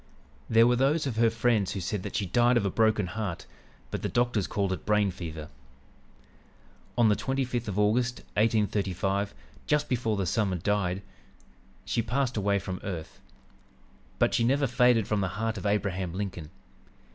"There were those of her friends who said that she died of a broken heart, but the doctors called it 'brain fever.' "On the 25th of August, 1835, just before the summer died, she passed away from earth. But she never faded from the heart of Abraham Lincoln.